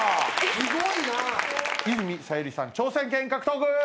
すごい。泉小百合さん挑戦権獲得。